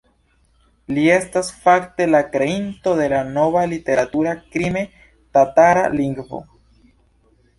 Li estas fakte la kreinto de la nova literatura krime-tatara lingvo.